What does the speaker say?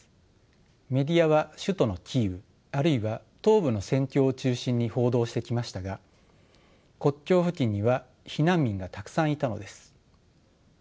メディアは首都のキーウあるいは東部の戦況を中心に報道してきましたが国境付近には避難民がたくさんいたのです。